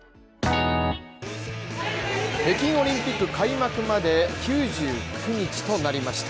北京オリンピック開幕まで９９日となりました